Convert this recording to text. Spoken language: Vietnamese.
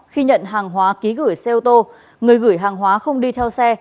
khi nhận hàng hóa ký gửi xe ô tô người gửi hàng hóa không đi theo xe